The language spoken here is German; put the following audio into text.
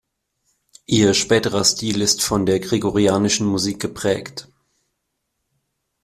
Ihr späterer Stil ist von der gregorianischen Musik geprägt.